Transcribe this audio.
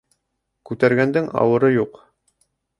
Күтәргәндең ауыры юҡ.